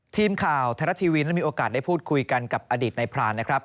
ทีมข่าวไทยรัฐทีวีและมีโอกาสได้พูดคุยกันกับอดีตในพรานนะครับ